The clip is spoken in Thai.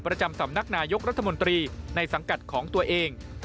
ประจำสำนักนายกรัฐมนตรีในสังกัดของตัวเอง